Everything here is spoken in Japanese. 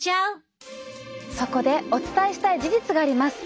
そこでお伝えしたい事実があります。